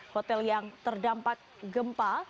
hotel yang terdampak gempa